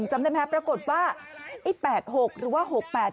จำได้ไหมครับปรากฏว่าไอ้๘๖หรือว่า๖๘